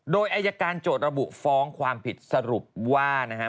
โดยอายการโจทย์ระบุฟ้องความผิดสรุปว่านะฮะ